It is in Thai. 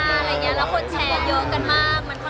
อ่าอะไรเงี้ยแล้วคนแชร์เยอะกันมาก